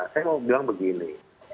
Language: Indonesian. saya mau bilang begini